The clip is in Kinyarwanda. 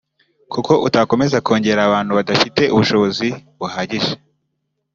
kuko utakomeza kongera abantu badafite ubushobozi buhagije